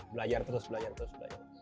belajar terus belajar terus belajar